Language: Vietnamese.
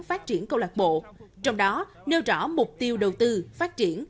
phát triển câu lạc bộ trong đó nêu rõ mục tiêu đầu tư phát triển